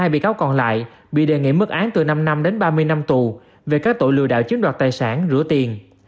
hai mươi bị cáo còn lại bị đề nghị mức án từ năm năm đến ba mươi năm tù về các tội lừa đảo chiếm đoạt tài sản rửa tiền